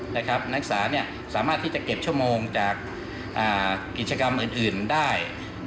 นักศึกษาสามารถที่จะเก็บชั่วโมงจากกิจกรรมอื่นได้